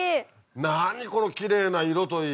何このきれいな色といい。